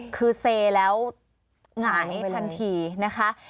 คือเซแล้วหงายทันทีนะคะ